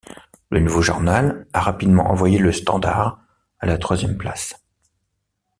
Le nouveau journal a rapidement envoyé le Standard à la troisième place.